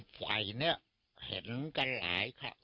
ไฟเห็นกันหลายครับ